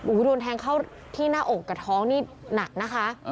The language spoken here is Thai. โดนแทงเข้าที่หน้าอกกับท้องนี่หนักนะคะ